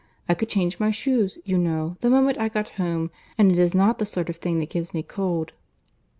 I could change my shoes, you know, the moment I got home; and it is not the sort of thing that gives me cold."